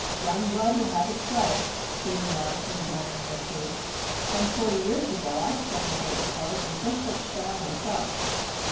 "Young blood will have its way," he remarked, in admiring reproof. "Some forty years ago I swung aboard the cars in just such style myself."